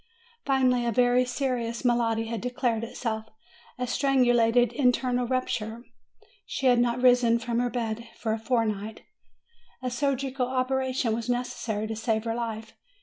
Finally, a very serious malady had declared itself, a strangulated internal rupture. She had not risen from her bed for a fortnight. A surgical operation was necessary to save her life.